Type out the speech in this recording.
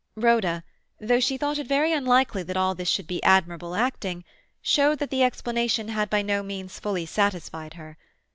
Rhoda, though she thought it very unlikely that all this should be admirable acting, showed that the explanation had by no means fully satisfied her.